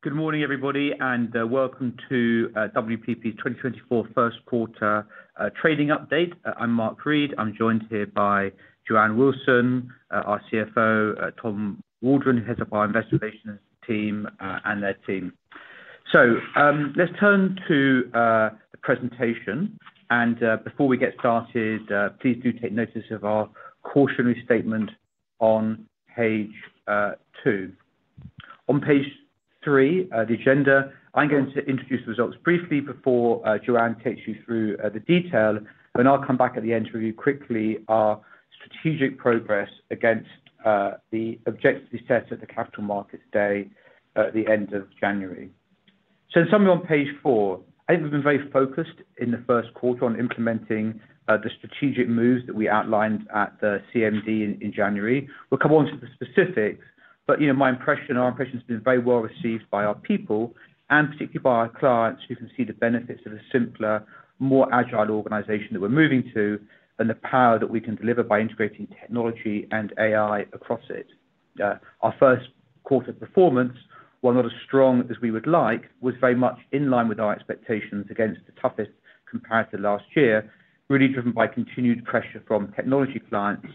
Good morning, everybody, and welcome to WPP's 2024 first quarter trading update. I'm Mark Read. I'm joined here by Joanne Wilson, our CFO, Tom Waldron, who heads up our Investor Relations team, and the team. So let's turn to the presentation. And before we get started, please do take notice of our cautionary statement on page 2. On page 3, the agenda, I'm going to introduce the results briefly before Joanne takes you through the detail. And I'll come back at the end to review quickly our strategic progress against the objectives set at the Capital Markets Day at the end of January. So in summary, on page 4, I think we've been very focused in the first quarter on implementing the strategic moves that we outlined at the CMD in January. We'll come on to the specifics. But my impression, our impression has been very well received by our people, and particularly by our clients, who can see the benefits of a simpler, more agile organization that we're moving to and the power that we can deliver by integrating technology and AI across it. Our first quarter performance, while not as strong as we would like, was very much in line with our expectations against the toughest comparative last year, really driven by continued pressure from technology clients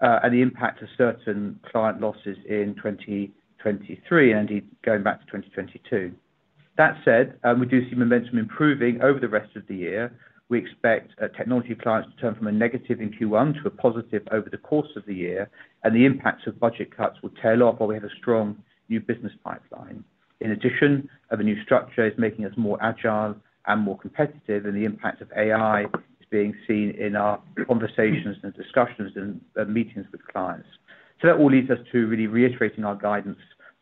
and the impact of certain client losses in 2023 and indeed going back to 2022. That said, we do see momentum improving over the rest of the year. We expect technology clients to turn from a negative in Q1 to a positive over the course of the year. And the impacts of budget cuts will tail off while we have a strong new business pipeline. In addition, a new structure is making us more agile and more competitive. The impact of AI is being seen in our conversations and discussions and meetings with clients. That all leads us to really reiterating our guidance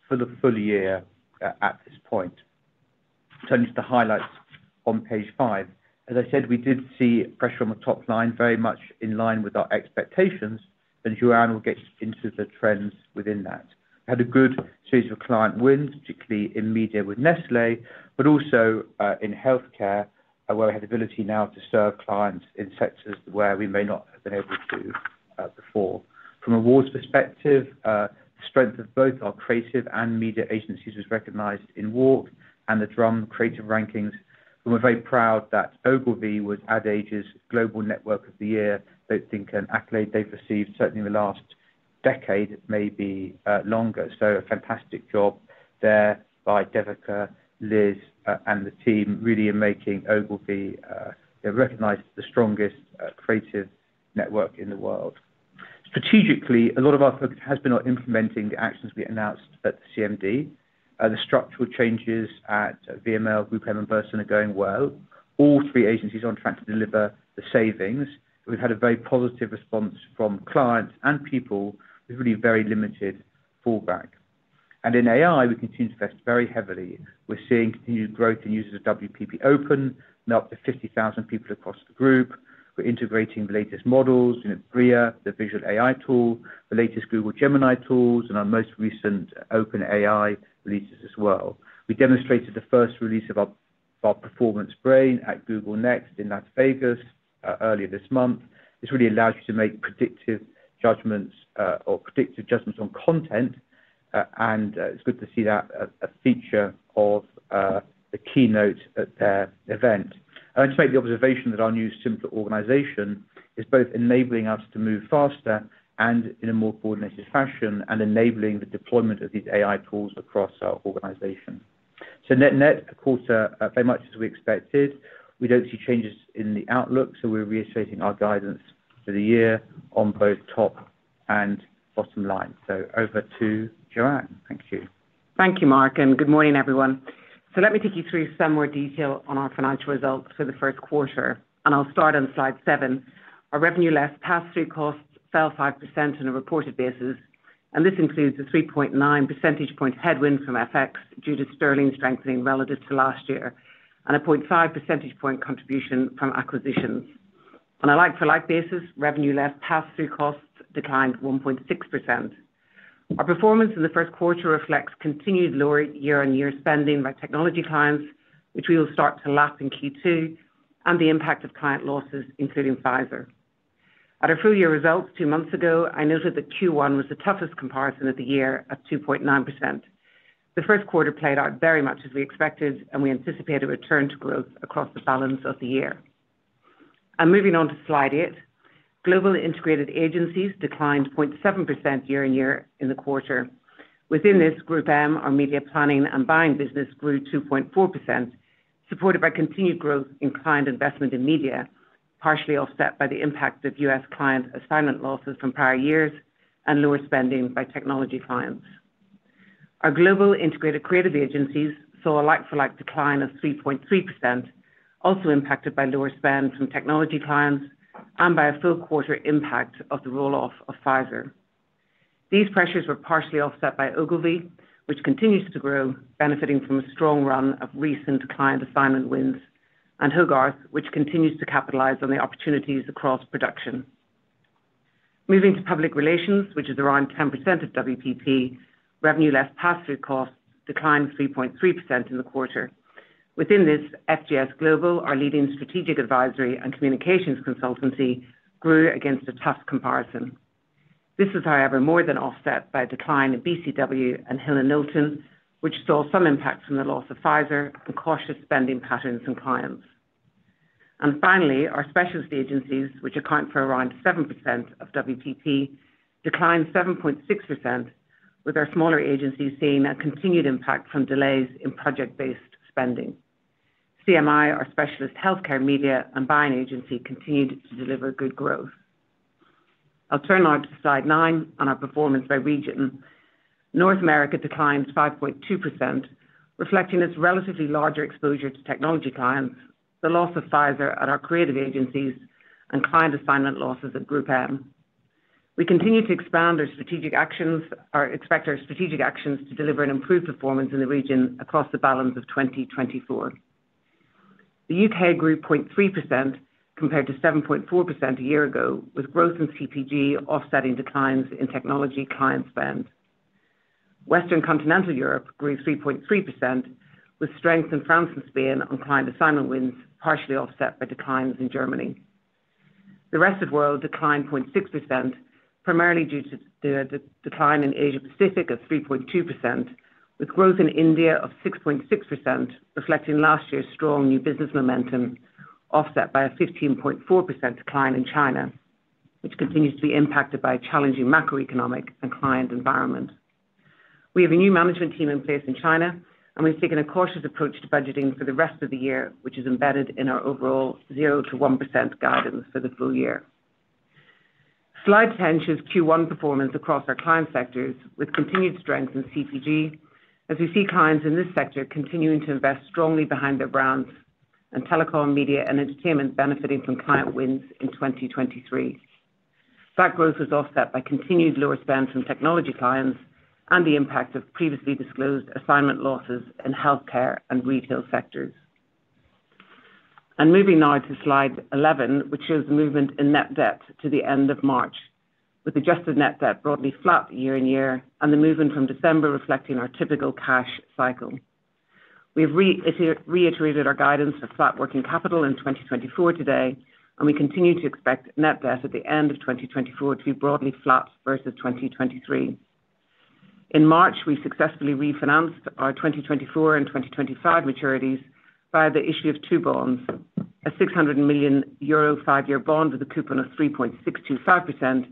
for the full year at this point. Turning to the highlights on page 5, as I said, we did see pressure on the top line, very much in line with our expectations. Joanne will get into the trends within that. We had a good series of client wins, particularly in media with Nestlé, but also in healthcare, where we have the ability now to serve clients in sectors where we may not have been able to before. From an awards perspective, the strength of both our creative and media agencies was recognized in WARC and The Drum creative rankings. And we're very proud that Ogilvy was Ad Age's Global Network of the Year. They think an accolade they've received, certainly in the last decade, maybe longer. So a fantastic job there by Devika, Liz, and the team really in making Ogilvy recognized the strongest creative network in the world. Strategically, a lot of our focus has been on implementing the actions we announced at the CMD. The structural changes at VML, GroupM, and Burson are going well. All three agencies are on track to deliver the savings. We've had a very positive response from clients and people with really very limited fallback. And in AI, we continue to invest very heavily. We're seeing continued growth in users of WPP Open, now up to 50,000 people across the group. We're integrating the latest models, Bria, the visual AI tool, the latest Google Gemini tools, and our most recent OpenAI releases as well. We demonstrated the first release of our Performance Brain at Google Next in Las Vegas earlier this month. This really allows you to make predictive judgments on content. And it's good to see that feature of the keynote at their event. I want to make the observation that our new simpler organization is both enabling us to move faster and in a more coordinated fashion and enabling the deployment of these AI tools across our organization. So net-net, a quarter very much as we expected. We don't see changes in the outlook. So we're reiterating our guidance for the year on both top and bottom line. So over to Joanne. Thank you. Thank you, Mark. Good morning, everyone. Let me take you through some more detail on our financial results for the first quarter. I'll start on slide 7. Our revenue less pass-through costs fell 5% on a reported basis. This includes a 3.9 percentage point headwind from FX due to sterling strengthening relative to last year and a 0.5 percentage point contribution from acquisitions. On a like-for-like basis, revenue less pass-through costs declined 1.6%. Our performance in the first quarter reflects continued lower year-on-year spending by technology clients, which we will start to lap in Q2, and the impact of client losses, including Pfizer. At our full year results two months ago, I noted that Q1 was the toughest comparison of the year at 2.9%. The first quarter played out very much as we expected. We anticipate a return to growth across the balance of the year. Moving on to slide 8, global integrated agencies declined 0.7% year-on-year in the quarter. Within this, GroupM, our media planning and buying business, grew 2.4%, supported by continued growth in client investment in media, partially offset by the impact of US client assignment losses from prior years and lower spending by technology clients. Our global integrated creative agencies saw a like-for-like decline of 3.3%, also impacted by lower spend from technology clients and by a full-quarter impact of the roll-off of Pfizer. These pressures were partially offset by Ogilvy, which continues to grow, benefiting from a strong run of recent client assignment wins, and Hogarth, which continues to capitalize on the opportunities across production. Moving to public relations, which is around 10% of WPP, revenue less pass-through costs declined 3.3% in the quarter. Within this, FGS Global, our leading strategic advisory and communications consultancy, grew against a tough comparison. This is, however, more than offset by a decline in BCW and Hill & Knowlton, which saw some impact from the loss of Pfizer and cautious spending patterns in clients. Finally, our specialist agencies, which account for around 7% of WPP, declined 7.6%, with our smaller agencies seeing a continued impact from delays in project-based spending. CMI, our specialist healthcare, media, and buying agency, continued to deliver good growth. I'll turn now to slide 9 on our performance by region. North America declined 5.2%, reflecting its relatively larger exposure to technology clients, the loss of Pfizer at our creative agencies, and client assignment losses at GroupM. We continue to expand our strategic actions or expect our strategic actions to deliver an improved performance in the region across the balance of 2024. The U.K. grew 0.3% compared to 7.4% a year ago, with growth in CPG offsetting declines in technology client spend. Western Continental Europe grew 3.3%, with strength in France and Spain on client assignment wins, partially offset by declines in Germany. The rest of the world declined 0.6%, primarily due to the decline in Asia Pacific of 3.2%, with growth in India of 6.6%, reflecting last year's strong new business momentum, offset by a 15.4% decline in China, which continues to be impacted by a challenging macroeconomic and client environment. We have a new management team in place in China. We've taken a cautious approach to budgeting for the rest of the year, which is embedded in our overall 0%-1% guidance for the full year. Slide 10 shows Q1 performance across our client sectors, with continued strength in CPG, as we see clients in this sector continuing to invest strongly behind their brands and telecom, media, and entertainment, benefiting from client wins in 2023. That growth was offset by continued lower spend from technology clients and the impact of previously disclosed assignment losses in healthcare and retail sectors. And moving now to slide 11, which shows the movement in net debt to the end of March, with adjusted net debt broadly flat year-over-year and the movement from December reflecting our typical cash cycle. We have reiterated our guidance for flat working capital in 2024 today. And we continue to expect net debt at the end of 2024 to be broadly flat versus 2023. In March, we successfully refinanced our 2024 and 2025 maturities via the issue of two bonds, a 600 million euro five-year bond with a coupon of 3.625%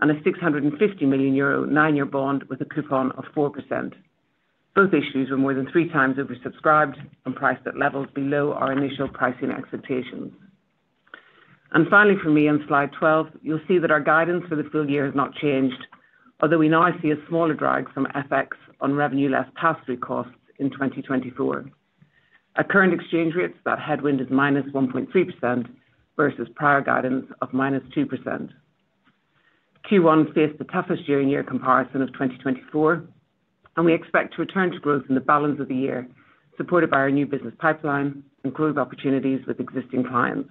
and a 650 million euro nine-year bond with a coupon of 4%. Both issues were more than 3x oversubscribed and priced at levels below our initial pricing expectations. And finally, for me, on slide 12, you'll see that our guidance for the full year has not changed, although we now see a smaller drag from FX on revenue less pass-through costs in 2024. At current exchange rates, that headwind is -1.3% versus prior guidance of -2%. Q1 faced the toughest year-on-year comparison of 2024. And we expect to return to growth in the balance of the year, supported by our new business pipeline and growth opportunities with existing clients.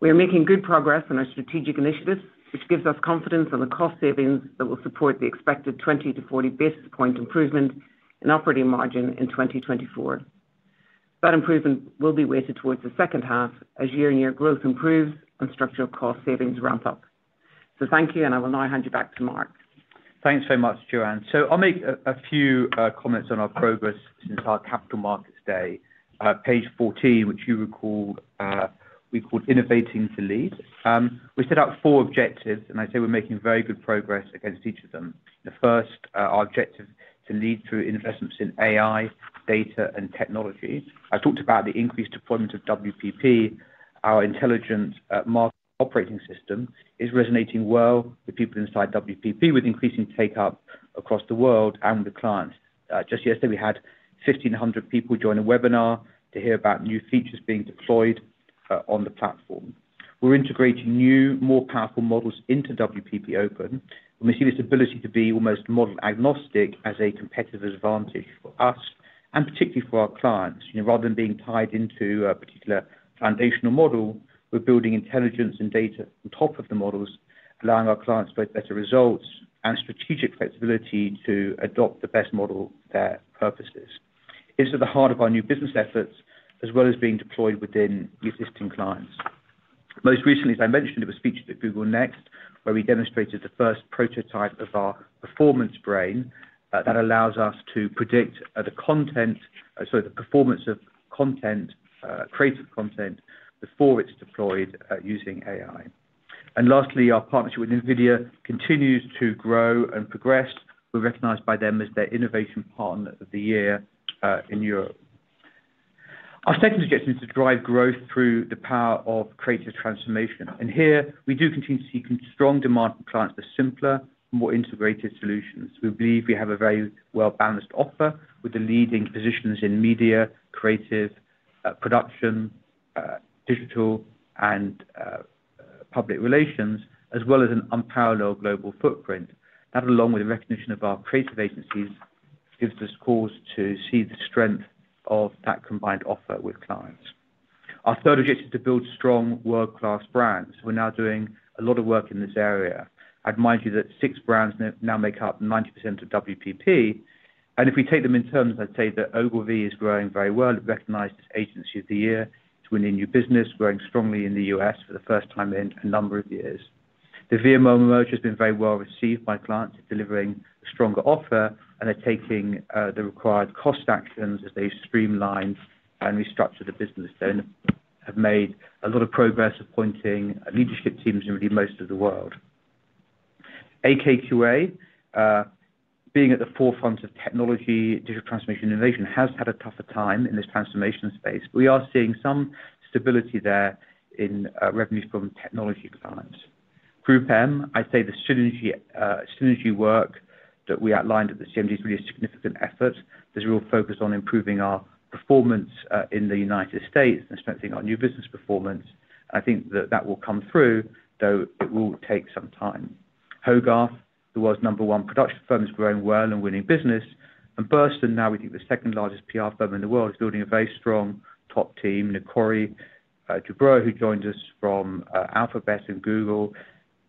We are making good progress on our strategic initiatives, which gives us confidence on the cost savings that will support the expected 20-40 basis point improvement in operating margin in 2024. That improvement will be weighted towards the second half as year-on-year growth improves and structural cost savings ramp up. So thank you. And I will now hand you back to Mark. Thanks very much, Joanne. So I'll make a few comments on our progress since our Capital Markets Day, page 14, which you recall we called Innovating to Lead. We set out four objectives. And I say we're making very good progress against each of them. First, our objective to lead through investments in AI, data, and technology. I've talked about the increased deployment of WPP Open, our intelligent marketing operating system. It's resonating well with people inside WPP, with increasing take-up across the world and with the clients. Just yesterday, we had 1,500 people join a webinar to hear about new features being deployed on the platform. We're integrating new, more powerful models into WPP Open. And we see this ability to be almost model agnostic as a competitive advantage for us and particularly for our clients. Rather than being tied into a particular foundational model, we're building intelligence and data on top of the models, allowing our clients both better results and strategic flexibility to adopt the best model for their purposes. This is at the heart of our new business efforts, as well as being deployed within existing clients. Most recently, as I mentioned, it was featured at Google Next, where we demonstrated the first prototype of our Performance Brain that allows us to predict the content sorry, the performance of creative content before it's deployed using AI. And lastly, our partnership with NVIDIA continues to grow and progress. We're recognized by them as their innovation partner of the year in Europe. Our second objective is to drive growth through the power of creative transformation. And here, we do continue to see strong demand for clients for simpler and more integrated solutions. We believe we have a very well-balanced offer with the leading positions in media, creative, production, digital, and public relations, as well as an unparalleled global footprint. That, along with the recognition of our creative agencies, gives us cause to see the strength of that combined offer with clients. Our third objective is to build strong, world-class brands. We're now doing a lot of work in this area. I'd remind you that six brands now make up 90% of WPP. And if we take them in terms, I'd say that Ogilvy is growing very well. It recognized its agency of the year to win in new business, growing strongly in the U.S. for the first time in a number of years. The VML merger has been very well received by clients for delivering a stronger offer. And they're taking the required cost actions as they streamline and restructure the business. They have made a lot of progress appointing leadership teams in really most of the world. AKQA, being at the forefront of technology, digital transformation, innovation, has had a tougher time in this transformation space. But we are seeing some stability there in revenues from technology clients. GroupM, I'd say the synergy work that we outlined at the CMD is really a significant effort. There's a real focus on improving our performance in the United States and strengthening our new business performance. And I think that that will come through, though it will take some time. Hogarth, the world's number one production firm, is growing well and winning business. And Burson, now we think the second largest PR firm in the world, is building a very strong top team. Corey duBrowa, who joined us from Alphabet and Google,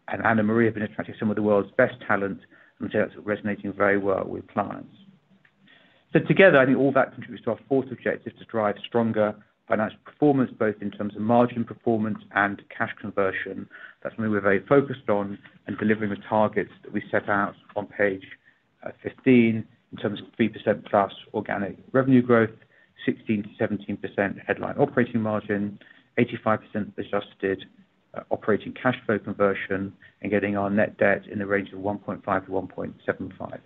and AnnaMaria DeSalva have been attracting some of the world's best talent. I'd say that's resonating very well with clients. So together, I think all that contributes to our fourth objective to drive stronger financial performance, both in terms of margin performance and cash conversion. That's something we're very focused on and delivering the targets that we set out on page 15 in terms of 3%+ organic revenue growth, 16%-17% headline operating margin, 85% adjusted operating cash flow conversion, and getting our net debt in the range of 1.5-1.75.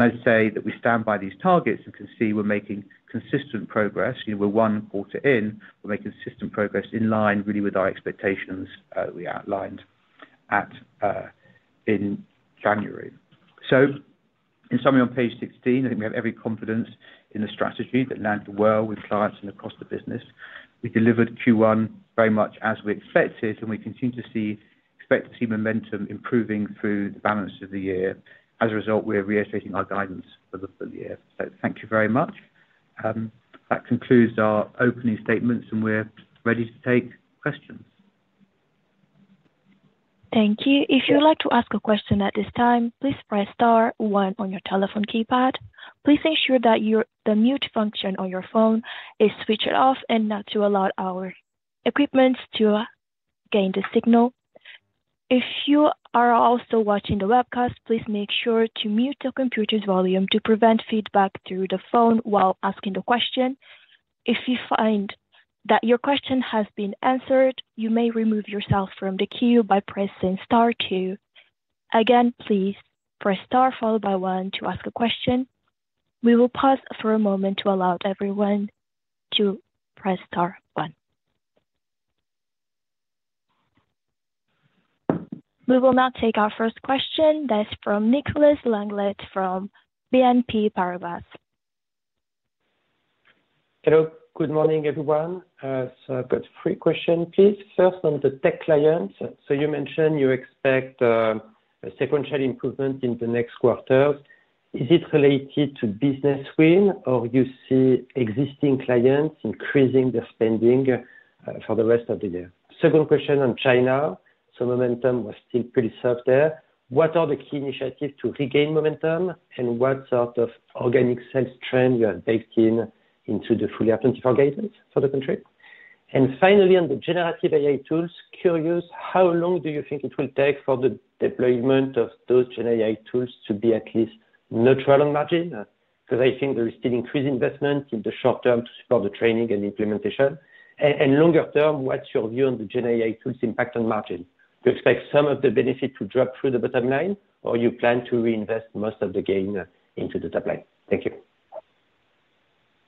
I'd say that we stand by these targets and can see we're making consistent progress. We're one quarter in. We're making consistent progress in line, really, with our expectations that we outlined in January. So in summary, on page 16, I think we have every confidence in the strategy that landed well with clients and across the business. We delivered Q1 very much as we expected. We continue to expect to see momentum improving through the balance of the year. As a result, we are reiterating our guidance for the full year. Thank you very much. That concludes our opening statements. We're ready to take questions. Thank you. If you would like to ask a question at this time, please press star 1 on your telephone keypad. Please ensure that the mute function on your phone is switched off and not to allow our equipment to gain the signal. If you are also watching the webcast, please make sure to mute your computer's volume to prevent feedback through the phone while asking the question. If you find that your question has been answered, you may remove yourself from the queue by pressing star 2. Again, please press star followed by 1 to ask a question. We will pause for a moment to allow everyone to press star 1. We will now take our first question. That's from Nicolas Langlet from BNP Paribas. Hello. Good morning, everyone. So I've got three questions, please. First, on the tech clients. So you mentioned you expect a sequential improvement in the next quarter. Is it related to business win, or you see existing clients increasing their spending for the rest of the year? Second question on China. So momentum was still pretty soft there. What are the key initiatives to regain momentum? And what sort of organic sales trend you have baked into the full-year guidance for the country? And finally, on the generative AI tools, curious, how long do you think it will take for the deployment of those GenAI tools to be at least neutral on margin? Because I think there is still increased investment in the short term to support the training and implementation. And longer term, what's your view on the GenAI tools' impact on margin? Do you expect some of the benefit to drop through the bottom line, or you plan to reinvest most of the gain into the top line? Thank you.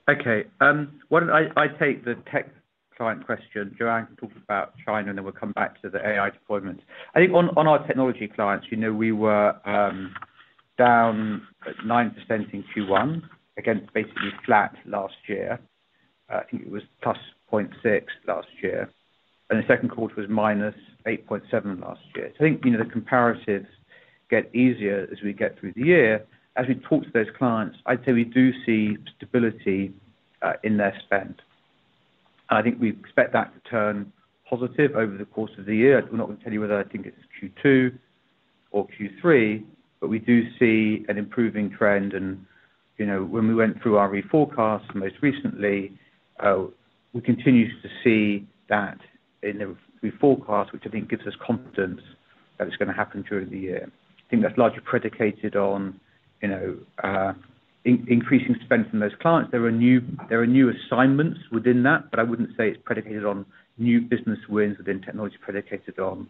Okay. Why don't I take the tech client question? Joanne can talk about China. And then we'll come back to the AI deployment. I think on our technology clients, we were down 9% in Q1 against basically flat last year. I think it was +0.6% last year. And the second quarter was -8.7% last year. So I think the comparatives get easier as we get through the year. As we talk to those clients, I'd say we do see stability in their spend. And I think we expect that to turn positive over the course of the year. I'm not going to tell you whether I think it's Q2 or Q3. But we do see an improving trend. When we went through our re-forecast most recently, we continued to see that in the re-forecast, which I think gives us confidence that it's going to happen during the year. I think that's largely predicated on increasing spend from those clients. There are new assignments within that. But I wouldn't say it's predicated on new business wins within technology, predicated on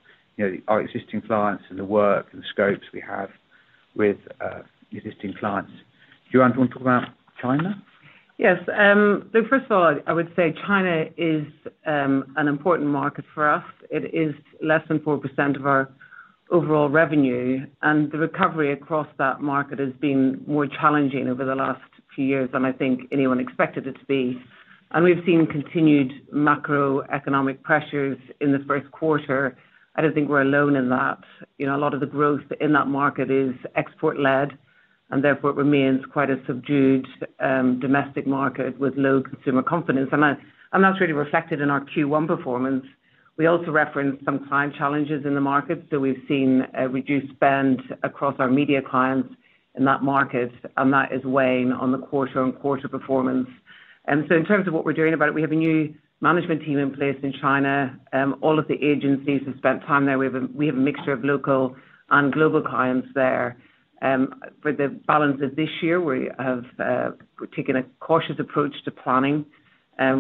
our existing clients and the work and the scopes we have with existing clients. Joanne, do you want to talk about China? Yes. So first of all, I would say China is an important market for us. It is less than 4% of our overall revenue. And the recovery across that market has been more challenging over the last few years than I think anyone expected it to be. And we've seen continued macroeconomic pressures in the first quarter. I don't think we're alone in that. A lot of the growth in that market is export-led. And therefore, it remains quite a subdued domestic market with low consumer confidence. And that's really reflected in our Q1 performance. We also referenced some climate challenges in the market. So we've seen reduced spend across our media clients in that market. And that is weighing on the quarter-on-quarter performance. And so in terms of what we're doing about it, we have a new management team in place in China. All of the agencies have spent time there. We have a mixture of local and global clients there. For the balance of this year, we have taken a cautious approach to planning.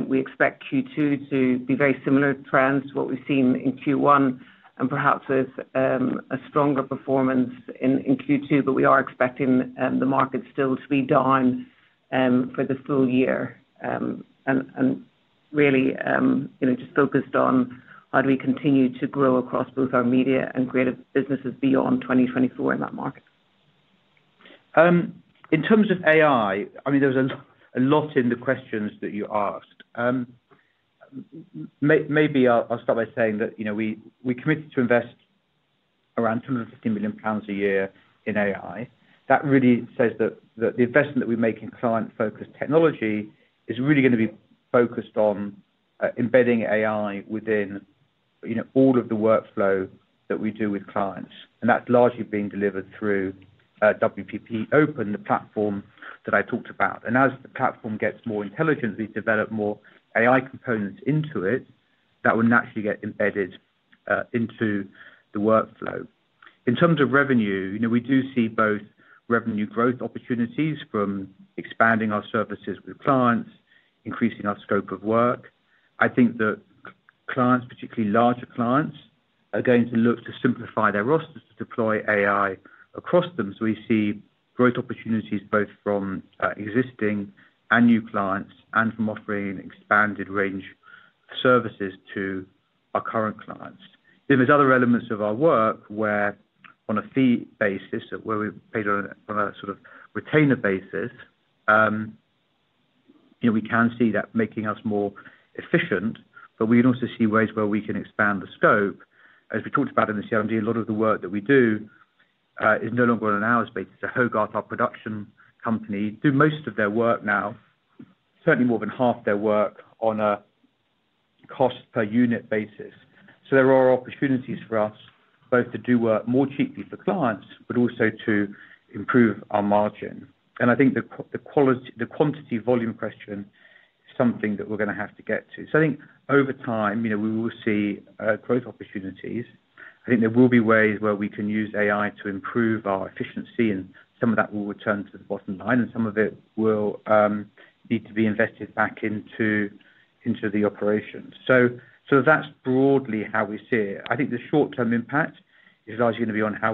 We expect Q2 to be very similar trends to what we've seen in Q1 and perhaps with a stronger performance in Q2. But we are expecting the market still to be down for the full year and really just focused on how do we continue to grow across both our media and creative businesses beyond 2024 in that market. In terms of AI, I mean, there was a lot in the questions that you asked. Maybe I'll start by saying that we committed to invest around 250 million pounds a year in AI. That really says that the investment that we make in client-focused technology is really going to be focused on embedding AI within all of the workflow that we do with clients. And that's largely being delivered through WPP Open, the platform that I talked about. And as the platform gets more intelligent, we develop more AI components into it that will naturally get embedded into the workflow. In terms of revenue, we do see both revenue growth opportunities from expanding our services with clients, increasing our scope of work. I think that clients, particularly larger clients, are going to look to simplify their rosters to deploy AI across them. So we see growth opportunities both from existing and new clients and from offering an expanded range of services to our current clients. Then there's other elements of our work where, on a fee basis, where we're paid on a sort of retainer basis, we can see that making us more efficient. But we can also see ways where we can expand the scope. As we talked about in the CMD, a lot of the work that we do is no longer on an hours basis. So Hogarth, our production company, do most of their work now, certainly more than half their work, on a cost-per-unit basis. So there are opportunities for us both to do work more cheaply for clients but also to improve our margin. And I think the quantity-volume question is something that we're going to have to get to. So I think over time, we will see growth opportunities. I think there will be ways where we can use AI to improve our efficiency. And some of that will return to the bottom line. And some of it will need to be invested back into the operations. So that's broadly how we see it. I think the short-term impact is largely going to be on how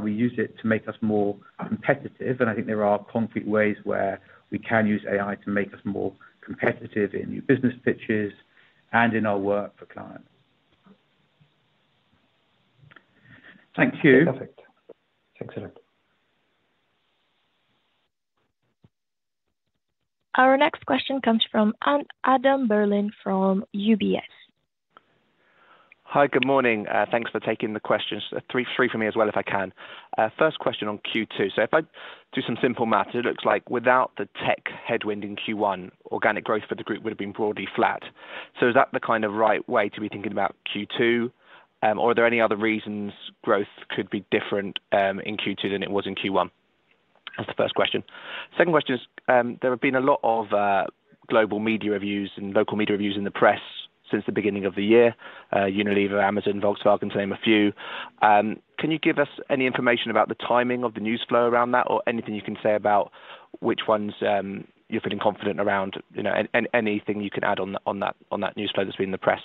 we use it to make us more competitive. And I think there are concrete ways where we can use AI to make us more competitive in new business pitches and in our work for clients. Thank you. Perfect. Thanks. Our next question comes from Adam Berlin from UBS. Hi. Good morning. Thanks for taking the questions. Three for me as well, if I can. First question on Q2. So if I do some simple math, it looks like without the tech headwind in Q1, organic growth for the group would have been broadly flat. So is that the kind of right way to be thinking about Q2? Or are there any other reasons growth could be different in Q2 than it was in Q1? That's the first question. Second question is, there have been a lot of global media reviews and local media reviews in the press since the beginning of the year: Unilever, Amazon, Volkswagen, to name a few. Can you give us any information about the timing of the newsflow around that or anything you can say about which ones you're feeling confident around, anything you can add on that newsflow that's been in the press?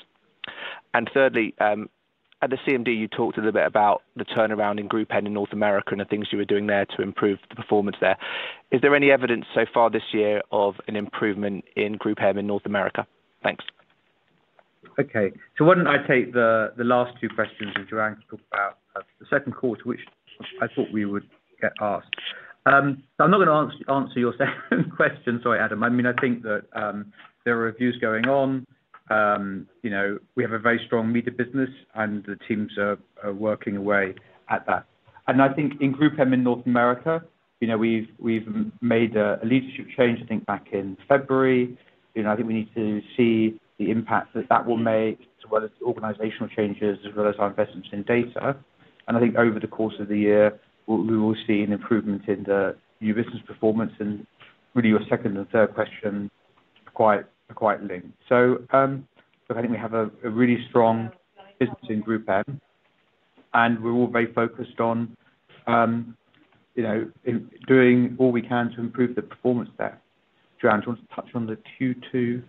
Thirdly, at the CMD, you talked a little bit about the turnaround in GroupM in North America and the things you were doing there to improve the performance there. Is there any evidence so far this year of an improvement in GroupM in North America? Thanks. Okay. So why don't I take the last two questions and Joanne can talk about the second quarter, which I thought we would get asked. So I'm not going to answer your second question. Sorry, Adam. I mean, I think that there are reviews going on. We have a very strong media business. And the teams are working away at that. And I think in GroupM in North America, we've made a leadership change, I think, back in February. I think we need to see the impact that that will make, as well as the organizational changes, as well as our investments in data. And I think over the course of the year, we will see an improvement in the new business performance. And really, your second and third questions are quite linked. So I think we have a really strong business in GroupM. We're all very focused on doing all we can to improve the performance there. Joanne, do you want to touch on the Q2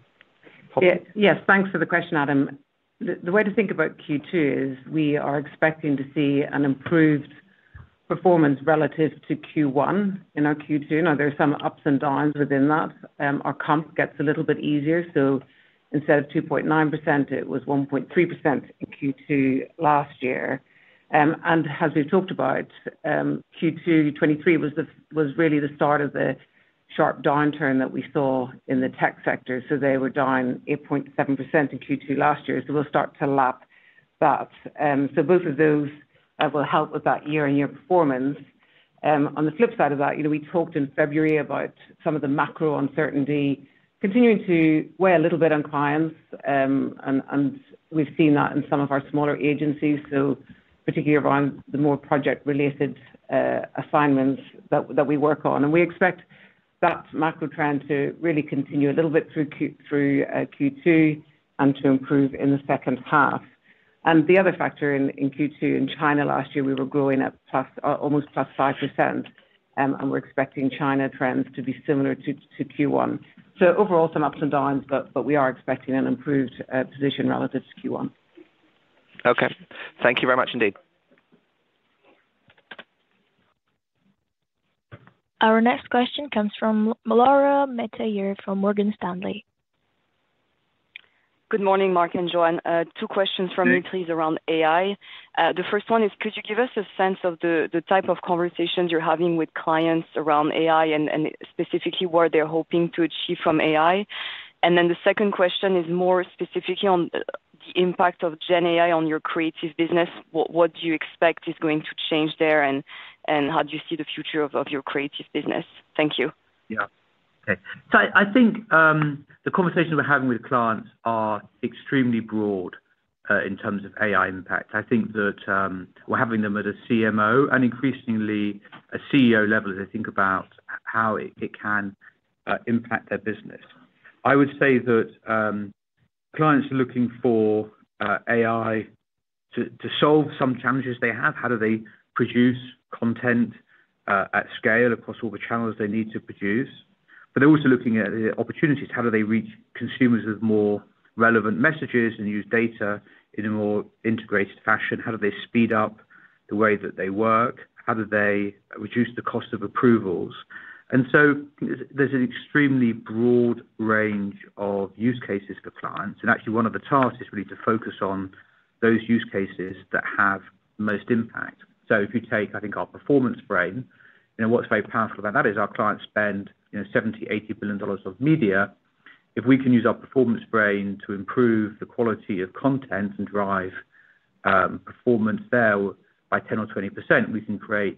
topic? Yes. Thanks for the question, Adam. The way to think about Q2 is we are expecting to see an improved performance relative to Q1 in our Q2. Now, there are some ups and downs within that. Our comp gets a little bit easier. So instead of 2.9%, it was 1.3% in Q2 last year. And as we've talked about, Q2 2023 was really the start of the sharp downturn that we saw in the tech sector. So they were down 8.7% in Q2 last year. So we'll start to lap that. So both of those will help with that year-on-year performance. On the flip side of that, we talked in February about some of the macro uncertainty continuing to weigh a little bit on clients. And we've seen that in some of our smaller agencies, so particularly around the more project-related assignments that we work on. We expect that macro trend to really continue a little bit through Q2 and to improve in the second half. The other factor in Q2, in China last year, we were growing at almost +5%. We're expecting China trends to be similar to Q1. So overall, some ups and downs. But we are expecting an improved position relative to Q1. Okay. Thank you very much indeed. Our next question comes from Laura Metayer from Morgan Stanley. Good morning, Mark and Joanne. 2 questions from me, please, around AI. The first one is, could you give us a sense of the type of conversations you're having with clients around AI and specifically what they're hoping to achieve from AI? And then the second question is more specifically on the impact of GenAI on your creative business. What do you expect is going to change there? And how do you see the future of your creative business? Thank you. Yeah. Okay. So I think the conversations we're having with clients are extremely broad in terms of AI impact. I think that we're having them at a CMO and increasingly a CEO level as they think about how it can impact their business. I would say that clients are looking for AI to solve some challenges they have. How do they produce content at scale across all the channels they need to produce? But they're also looking at the opportunities. How do they reach consumers with more relevant messages and use data in a more integrated fashion? How do they speed up the way that they work? How do they reduce the cost of approvals? And so there's an extremely broad range of use cases for clients. Actually, one of the tasks is really to focus on those use cases that have the most impact. So if you take, I think, our Performance Brain, what's very powerful about that is our clients spend $70 billion-$80 billion of media. If we can use our Performance Brain to improve the quality of content and drive performance there by 10%-20%, we can create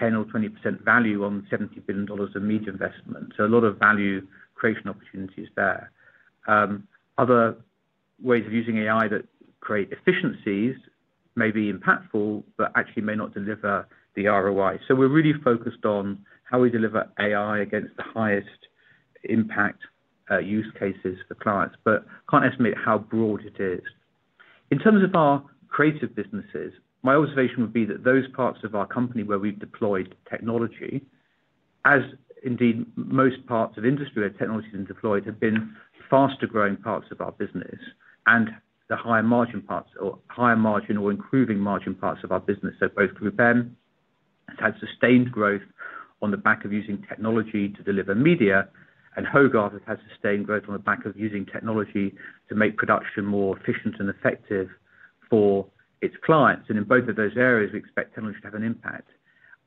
10%-20% value on $70 billion of media investment. So a lot of value creation opportunities there. Other ways of using AI that create efficiencies may be impactful but actually may not deliver the ROI. So we're really focused on how we deliver AI against the highest impact use cases for clients but can't estimate how broad it is. In terms of our creative businesses, my observation would be that those parts of our company where we've deployed technology, as indeed most parts of industry where technology's been deployed, have been faster-growing parts of our business and the higher margin parts or higher margin or improving margin parts of our business. So both GroupM has had sustained growth on the back of using technology to deliver media. And Hogarth has had sustained growth on the back of using technology to make production more efficient and effective for its clients. And in both of those areas, we expect technology to have an impact.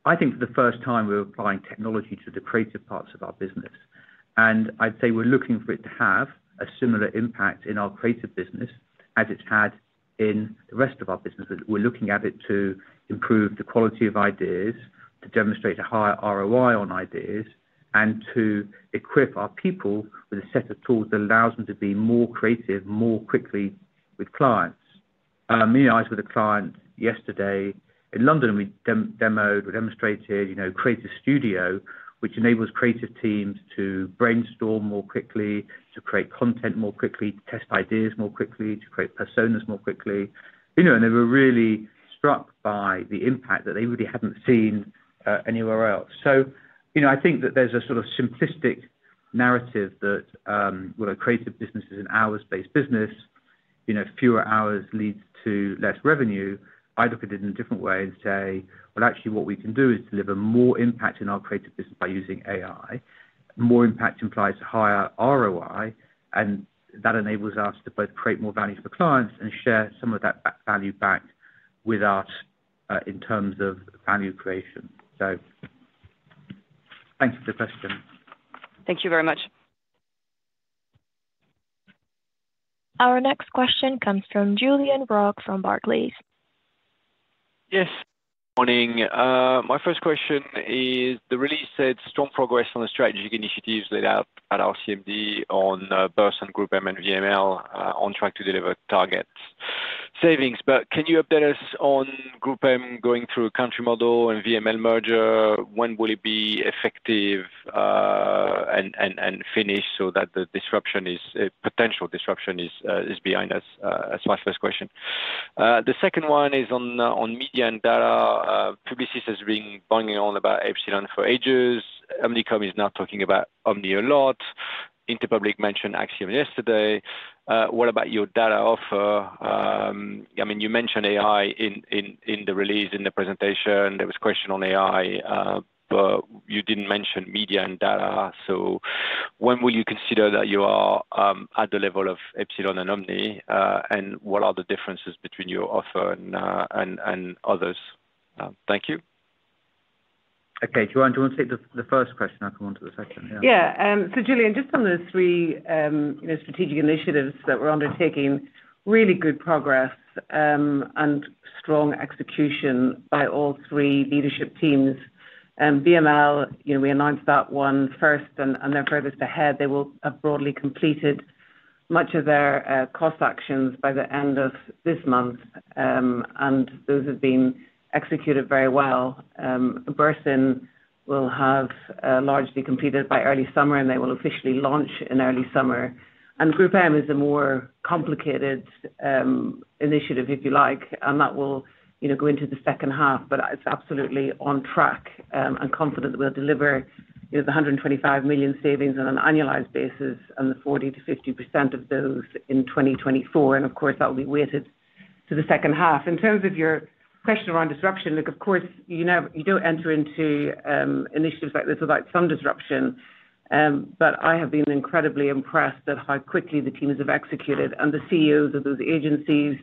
I think for the first time, we're applying technology to the creative parts of our business. And I'd say we're looking for it to have a similar impact in our creative business as it's had in the rest of our business. We're looking at it to improve the quality of ideas, to demonstrate a higher ROI on ideas, and to equip our people with a set of tools that allows them to be more creative more quickly with clients. Me and I was with a client yesterday in London. We demoed. We demonstrated Creative Studio, which enables creative teams to brainstorm more quickly, to create content more quickly, to test ideas more quickly, to create personas more quickly. And they were really struck by the impact that they really hadn't seen anywhere else. So I think that there's a sort of simplistic narrative that, well, a creative business is an hours-based business. Fewer hours leads to less revenue. I'd look at it in a different way and say, "Well, actually, what we can do is deliver more impact in our creative business by using AI. More impact implies a higher ROI. That enables us to both create more value for clients and share some of that value back with us in terms of value creation. Thanks for the question. Thank you very much. Our next question comes from Julien Roch from Barclays. Yes. Morning. My first question is, the release said strong progress on the strategic initiatives laid out at our CMD on Burson and GroupM and VML on track to deliver target savings. But can you update us on GroupM going through a country model and VML merger? When will it be effective and finished so that the potential disruption is behind us? That's my first question. The second one is on media and data. Publicis has been banging on about Epsilon for ages. Omnicom is now talking about Omni a lot. Interpublic mentioned Axicom yesterday. What about your data offer? I mean, you mentioned AI in the release, in the presentation. There was a question on AI. But you didn't mention media and data. So when will you consider that you are at the level of Epsilon and Omni? And what are the differences between your offer and others? Thank you. Okay. Joanne, do you want to take the first question? I'll come on to the second. Yeah. Yeah. So Julian, just on the three strategic initiatives that we're undertaking, really good progress and strong execution by all three leadership teams. VML, we announced that one first. And they're furthest ahead. They will have broadly completed much of their cost actions by the end of this month. And those have been executed very well. Burson will have largely completed by early summer. And they will officially launch in early summer. And GroupM is a more complicated initiative, if you like. And that will go into the second half. But it's absolutely on track. I'm confident that we'll deliver the 125 million savings on an annualized basis and the 40%-50% of those in 2024. And of course, that will be weighted to the second half. In terms of your question around disruption, look, of course, you don't enter into initiatives like this without some disruption. But I have been incredibly impressed at how quickly the teams have executed. And the CEOs of those agencies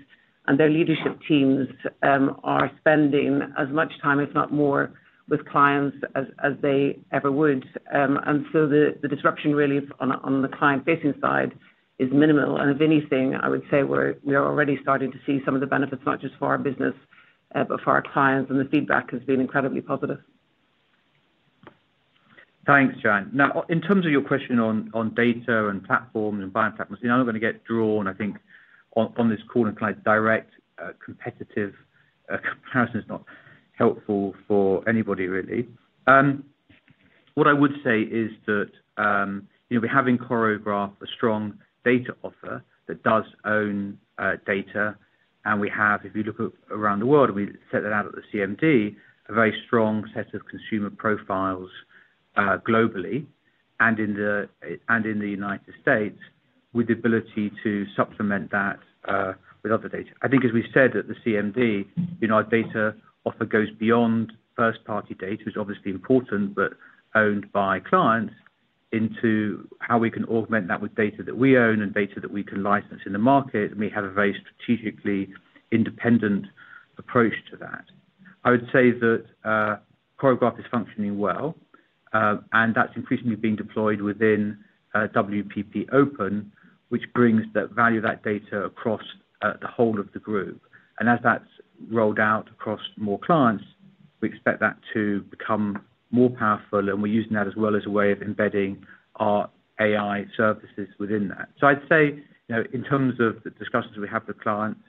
and their leadership teams are spending as much time, if not more, with clients as they ever would. And so the disruption, really, on the client-facing side is minimal. And if anything, I would say we are already starting to see some of the benefits, not just for our business but for our clients. And the feedback has been incredibly positive. Thanks, Joanne. Now, in terms of your question on data and platforms and buying platforms, I'm not going to get drawn, I think, on this call. And kind of direct competitive comparison is not helpful for anybody, really. What I would say is that we're having Choreograph, a strong data offer that does own data. And we have, if you look around the world - and we set that out at the CMD - a very strong set of consumer profiles globally and in the United States with the ability to supplement that with other data. I think, as we said at the CMD, our data offer goes beyond first-party data, which is obviously important but owned by clients, into how we can augment that with data that we own and data that we can license in the market. And we have a very strategically independent approach to that. I would say that Choreograph is functioning well. And that's increasingly being deployed within WPP Open, which brings the value of that data across the whole of the group. And as that's rolled out across more clients, we expect that to become more powerful. And we're using that as well as a way of embedding our AI services within that. So I'd say, in terms of the discussions we have with clients,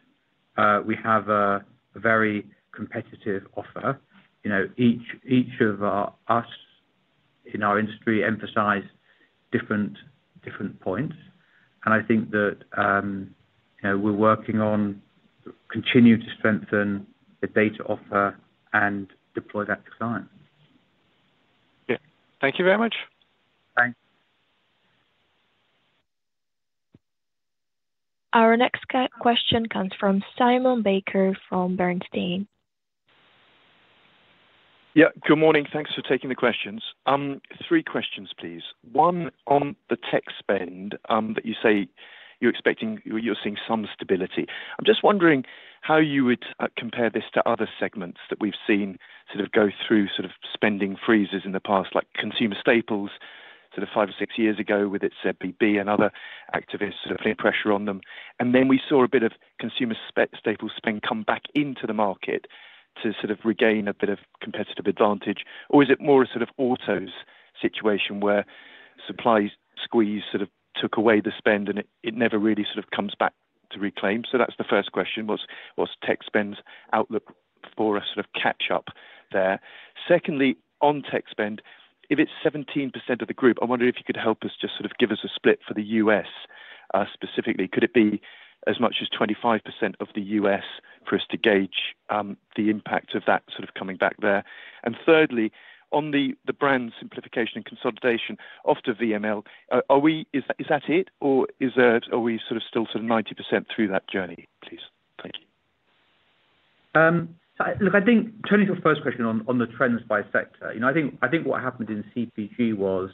we have a very competitive offer. Each of us in our industry emphasizes different points. And I think that we're working on continuing to strengthen the data offer and deploy that to clients. Yeah. Thank you very much. Thanks. Our next question comes from Simon Baker from Bernstein. Yeah. Good morning. Thanks for taking the questions. Three questions, please. One on the tech spend that you say you're expecting or you're seeing some stability. I'm just wondering how you would compare this to other segments that we've seen sort of go through sort of spending freezes in the past, like consumer staples sort of five or six years ago with its ZBB and other activists sort of putting pressure on them. And then we saw a bit of consumer staples spend come back into the market to sort of regain a bit of competitive advantage. Or is it more a sort of autos situation where supply squeeze sort of took away the spend, and it never really sort of comes back to reclaim? So that's the first question. What's tech spend's outlook for a sort of catch-up there? Secondly, on tech spend, if it's 17% of the group, I wonder if you could help us just sort of give us a split for the U.S. specifically. Could it be as much as 25% of the U.S. for us to gauge the impact of that sort of coming back there? And thirdly, on the brand simplification and consolidation of the VML, is that it? Or are we sort of still sort of 90% through that journey? Please. Thank you. Look, I think turning to the first question on the trends by sector, I think what happened in CPG was,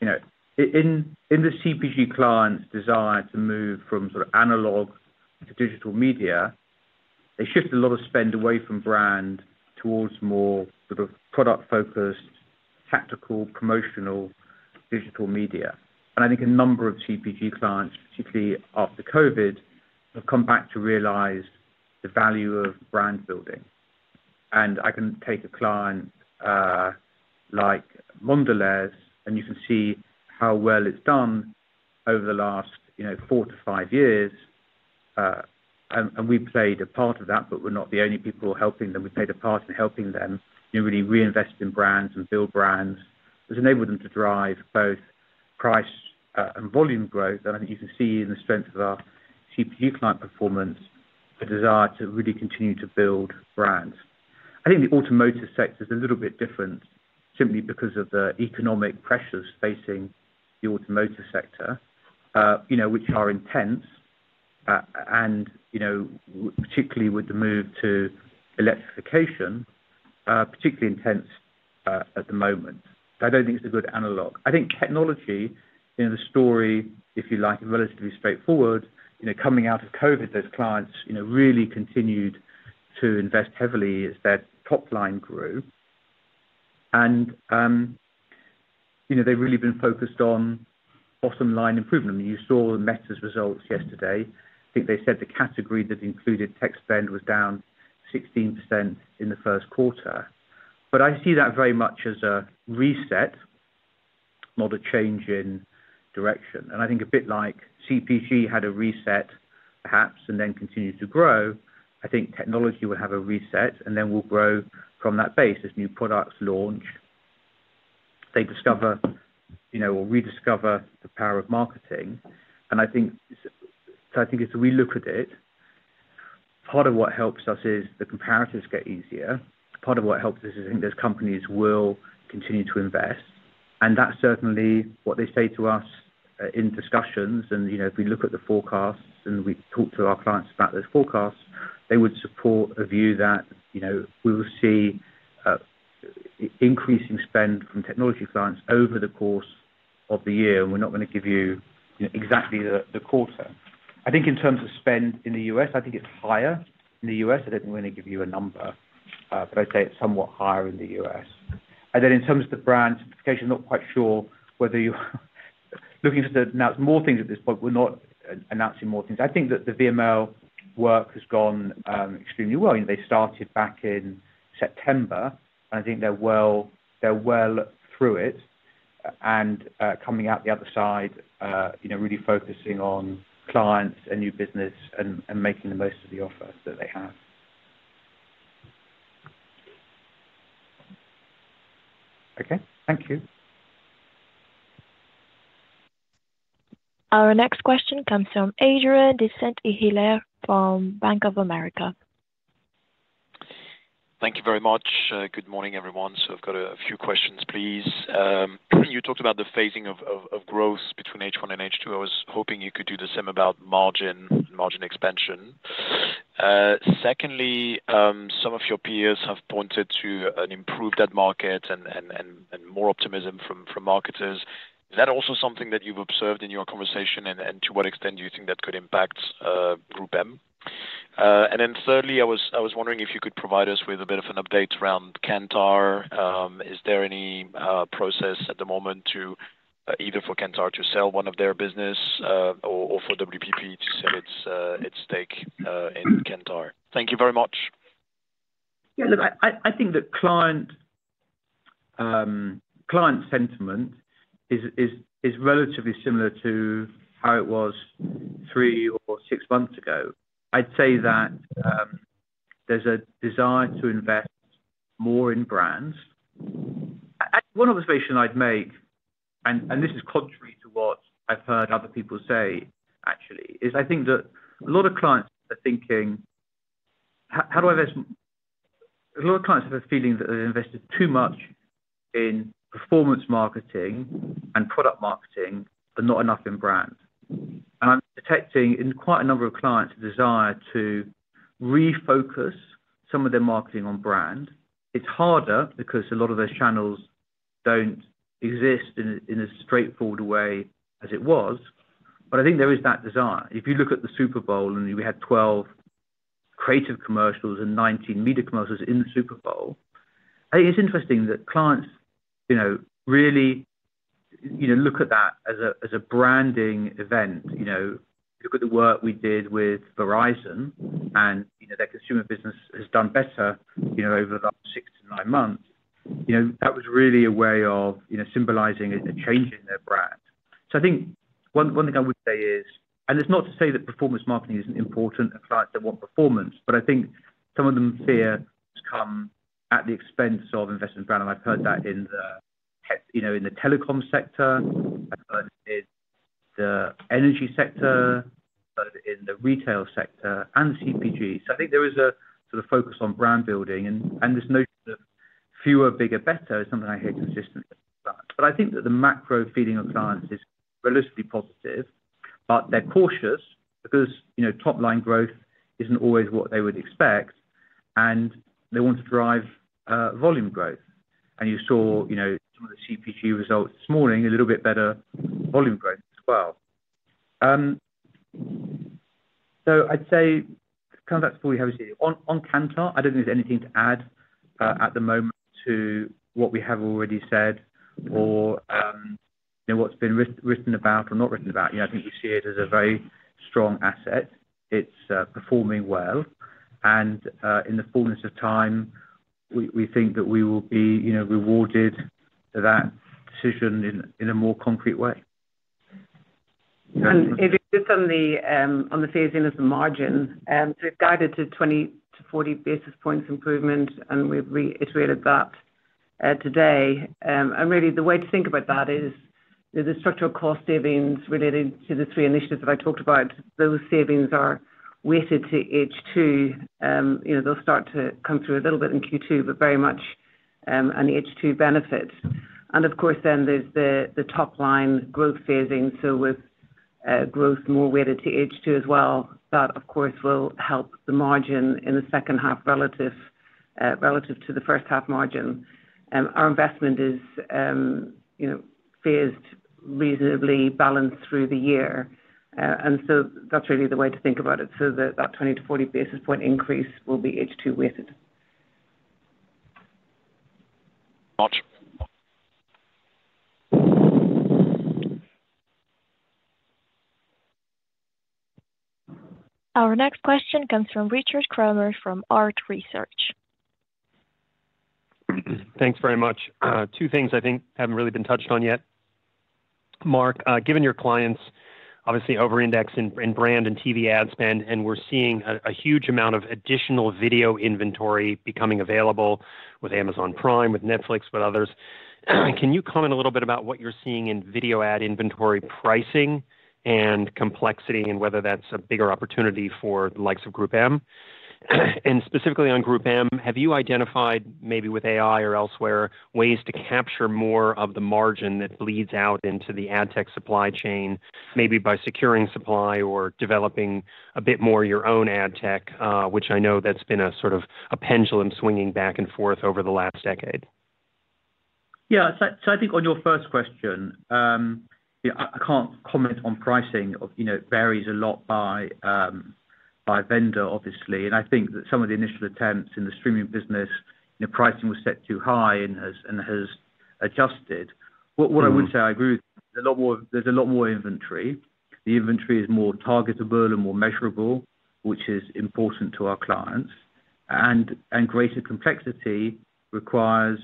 in the CPG clients' desire to move from sort of analog to digital media, they shifted a lot of spend away from brand towards more sort of product-focused, tactical, promotional digital media. And I think a number of CPG clients, particularly after COVID, have come back to realize the value of brand building. And I can take a client like Mondelez. And you can see how well it's done over the last 4-5 years. And we played a part of that. But we're not the only people helping them. We played a part in helping them really reinvest in brands and build brands that's enabled them to drive both price and volume growth. And I think you can see in the strength of our CPG client performance the desire to really continue to build brands. I think the automotive sector's a little bit different simply because of the economic pressures facing the automotive sector, which are intense, particularly with the move to electrification, particularly intense at the moment. So I don't think it's a good analog. I think technology, the story, if you like, is relatively straightforward. Coming out of COVID, those clients really continued to invest heavily as their top line grew. And they've really been focused on bottom line improvement. I mean, you saw the Meta's results yesterday. I think they said the category that included tech spend was down 16% in the first quarter. But I see that very much as a reset, not a change in direction. I think a bit like CPG had a reset, perhaps, and then continued to grow. I think technology will have a reset. Then we'll grow from that base as new products launch. They discover or rediscover the power of marketing. I think as we look at it, part of what helps us is the comparatives get easier. Part of what helps us is, I think, those companies will continue to invest. And that's certainly what they say to us in discussions. And if we look at the forecasts and we talk to our clients about those forecasts, they would support a view that we will see increasing spend from technology clients over the course of the year. And we're not going to give you exactly the quarter. I think in terms of spend in the U.S., I think it's higher in the U.S. I don't think we're going to give you a number. But I'd say it's somewhat higher in the U.S. And then in terms of the brand simplification, I'm not quite sure whether you're looking for the now, it's more things at this point. We're not announcing more things. I think that the VML work has gone extremely well. They started back in September. And I think they're well through it and coming out the other side, really focusing on clients and new business and making the most of the offer that they have. Okay. Thank you. Our next question comes from Adrien de Saint Hilaire from Bank of America. Thank you very much. Good morning, everyone. So I've got a few questions, please. You talked about the phasing of growth between H1 and H2. I was hoping you could do the same about margin and margin expansion. Secondly, some of your peers have pointed to an improved debt market and more optimism from marketers. Is that also something that you've observed in your conversation? And to what extent do you think that could impact GroupM? And then thirdly, I was wondering if you could provide us with a bit of an update around Kantar. Is there any process at the moment either for Kantar to sell one of their business or for WPP to sell its stake in Kantar? Thank you very much. Yeah. Look, I think the client sentiment is relatively similar to how it was three or six months ago. I'd say that there's a desire to invest more in brands. One observation I'd make, and this is contrary to what I've heard other people say, actually, is I think that a lot of clients are thinking, "How do I invest?" A lot of clients have a feeling that they've invested too much in performance marketing and product marketing but not enough in brand. And I'm detecting in quite a number of clients a desire to refocus some of their marketing on brand. It's harder because a lot of those channels don't exist in a straightforward way as it was. But I think there is that desire. If you look at the Super Bowl, and we had 12 creative commercials and 19 media commercials in the Super Bowl, I think it's interesting that clients really look at that as a branding event. You look at the work we did with Verizon. And their consumer business has done better over the last 6-9 months. That was really a way of symbolizing a change in their brand. So I think one thing I would say is and it's not to say that performance marketing isn't important and clients don't want performance. But I think some of them fear has come at the expense of investment in brand. And I've heard that in the telecom sector. I've heard it in the energy sector. I've heard it in the retail sector and CPG. So I think there is a sort of focus on brand building. This notion of fewer, bigger, better is something I hear consistently from clients. But I think that the macro feeling of clients is relatively positive. But they're cautious because top line growth isn't always what they would expect. And they want to drive volume growth. And you saw some of the CPG results this morning, a little bit better volume growth as well. So I'd say kind of that's all we have to say. On Kantar, I don't think there's anything to add at the moment to what we have already said or what's been written about or not written about. I think we see it as a very strong asset. It's performing well. And in the fullness of time, we think that we will be rewarded for that decision in a more concrete way. If you look on the phasing of the margin, so we've guided to 20-40 basis points improvement. We've reiterated that today. Really, the way to think about that is the structural cost savings related to the three initiatives that I talked about, those savings are weighted to H2. They'll start to come through a little bit in Q2 but very much an H2 benefit. Of course, then there's the top line growth phasing. With growth more weighted to H2 as well, that, of course, will help the margin in the second half relative to the first half margin. Our investment is phased reasonably balanced through the year. So that's really the way to think about it. That 20-40 basis point increase will be H2 weighted. Much. Our next question comes from Richard Kramer from Arete Research. Thanks very much. Two things I think haven't really been touched on yet. Mark, given your clients' obviously over-index in brand and TV ad spend, and we're seeing a huge amount of additional video inventory becoming available with Amazon Prime, with Netflix, with others, can you comment a little bit about what you're seeing in video ad inventory pricing and complexity and whether that's a bigger opportunity for the likes of GroupM? And specifically on GroupM, have you identified maybe with AI or elsewhere ways to capture more of the margin that bleeds out into the ad tech supply chain maybe by securing supply or developing a bit more your own ad tech, which I know that's been a sort of a pendulum swinging back and forth over the last decade? Yeah. So I think on your first question, I can't comment on pricing. It varies a lot by vendor, obviously. And I think that some of the initial attempts in the streaming business, pricing was set too high and has adjusted. What I would say I agree with is there's a lot more inventory. The inventory is more targetable and more measurable, which is important to our clients. And greater complexity requires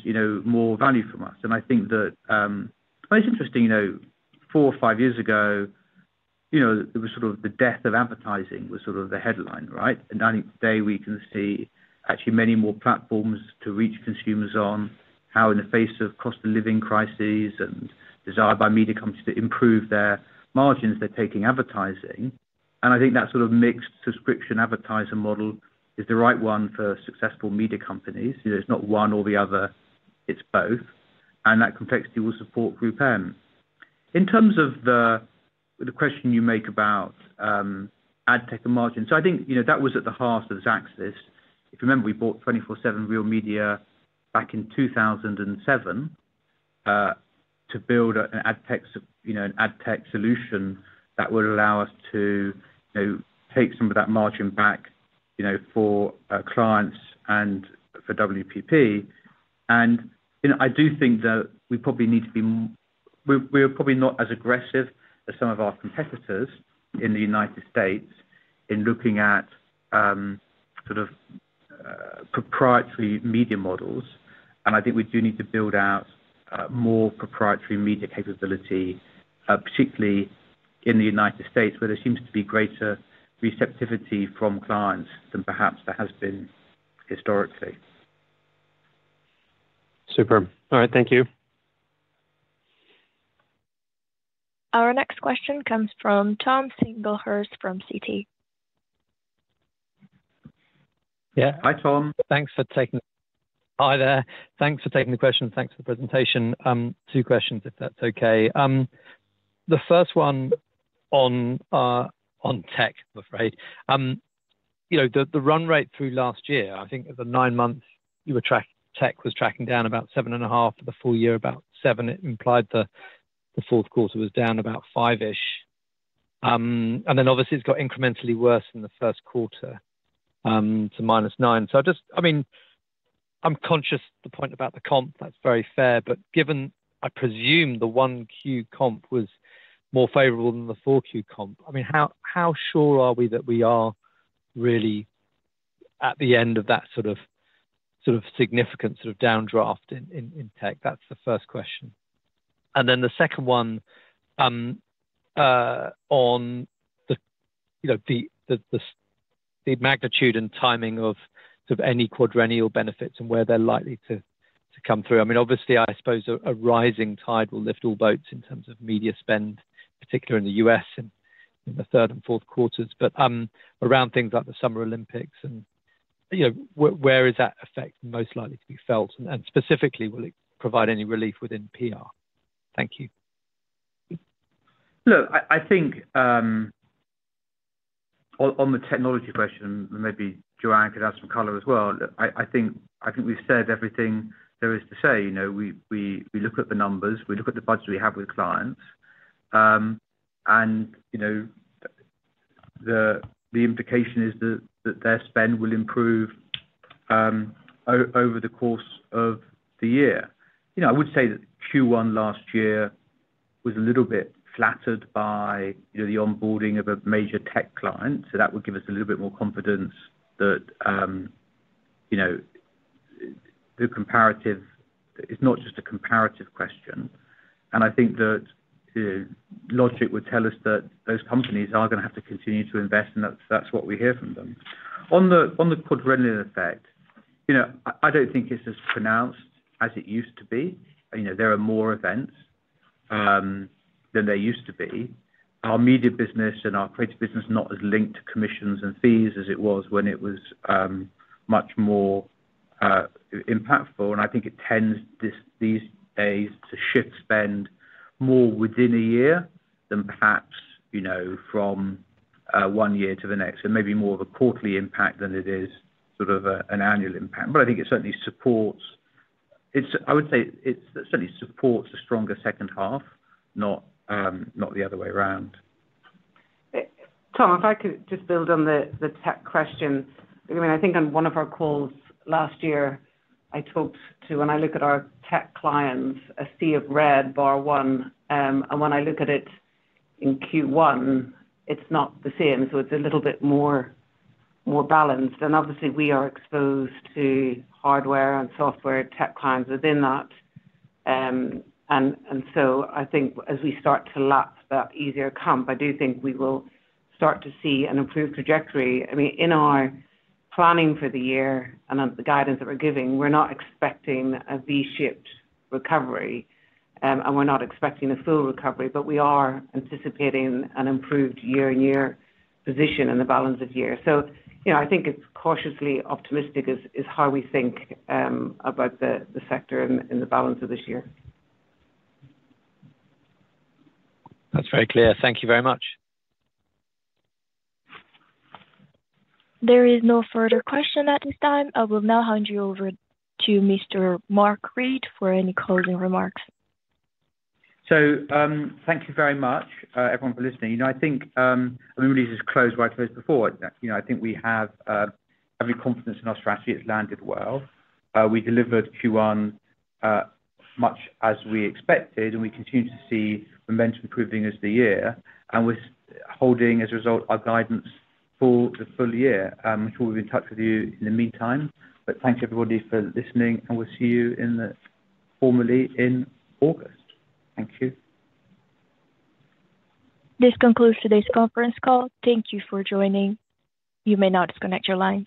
more value from us. And I think that it's interesting. Four or five years ago, it was sort of the death of advertising was sort of the headline, right? And I think today, we can see actually many more platforms to reach consumers on how, in the face of cost of living crises and desire by media companies to improve their margins, they're taking advertising. And I think that sort of mixed subscription advertiser model is the right one for successful media companies. It's not one or the other. It's both. And that complexity will support GroupM. In terms of the question you make about ad tech and margin, so I think that was at the Heart of Xaxis. If you remember, we bought 24/7 Real Media back in 2007 to build an ad tech solution that would allow us to take some of that margin back for clients and for WPP. And I do think that we're probably not as aggressive as some of our competitors in the United States in looking at sort of proprietary media models. I think we do need to build out more proprietary media capability, particularly in the United States where there seems to be greater receptivity from clients than perhaps there has been historically. Super. All right. Thank you. Our next question comes from Tom Singlehurst from Citi. Yeah. Hi, Tom. Thanks for taking. Hi there. Thanks for taking the question. Thanks for the presentation. Two questions, if that's okay. The first one on tech, I'm afraid. The run rate through last year, I think at the nine months, tech was tracking down about 7.5% for the full year, about 7%. It implied the fourth quarter was down about 5-ish%. And then obviously, it's got incrementally worse in the first quarter to -9%. So I mean, I'm conscious of the point about the comp. That's very fair. But I presume the Q1 comp was more favorable than the Q4 comp. I mean, how sure are we that we are really at the end of that sort of significant sort of downdraft in tech? That's the first question. And then the second one on the magnitude and timing of sort of any quadrennial benefits and where they're likely to come through. I mean, obviously, I suppose a rising tide will lift all boats in terms of media spend, particularly in the U.S. in the third and fourth quarters, but around things like the Summer Olympics and where is that effect most likely to be felt? And specifically, will it provide any relief within PR? Thank you. Look, I think on the technology question, maybe Joanne could add some color as well. Look, I think we've said everything there is to say. We look at the numbers. We look at the budget we have with clients. The implication is that their spend will improve over the course of the year. I would say that Q1 last year was a little bit flattered by the onboarding of a major tech client. So that would give us a little bit more confidence that it's not just a comparative question. I think that logic would tell us that those companies are going to have to continue to invest. That's what we hear from them. On the Quadrennial effect, I don't think it's as pronounced as it used to be. There are more events than there used to be. Our media business and our creative business is not as linked to commissions and fees as it was when it was much more impactful. I think it tends these days to shift spend more within a year than perhaps from one year to the next. Maybe more of a quarterly impact than it is sort of an annual impact. But I think it certainly supports, I would say, a stronger second half, not the other way around. Tom, if I could just build on the tech question. I mean, I think on one of our calls last year, I talked to when I look at our tech clients, a sea of red, bar one. And when I look at it in Q1, it's not the same. So it's a little bit more balanced. And obviously, we are exposed to hardware and software tech clients within that. And so I think as we start to lap that easier comp, I do think we will start to see an improved trajectory. I mean, in our planning for the year and the guidance that we're giving, we're not expecting a V-shaped recovery. And we're not expecting a full recovery. But we are anticipating an improved year-on-year position in the balance of year. I think it's cautiously optimistic is how we think about the sector in the balance of this year. That's very clear. Thank you very much. There is no further question at this time. I will now hand you over to Mr. Mark Read for any closing remarks. Thank you very much, everyone for listening. I mean, we just closed what I closed before. I think we have every confidence in our strategy. It's landed well. We delivered Q1 much as we expected. And we continue to see momentum improving as the year. And we're holding, as a result, our guidance for the full year. I'm sure we'll be in touch with you in the meantime. But thank you, everybody, for listening. And we'll see you formally in August. Thank you. This concludes today's conference call. Thank you for joining. You may now disconnect your lines.